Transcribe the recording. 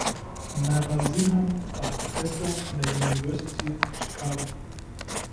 Narasimhan war Professor an der University of Chicago.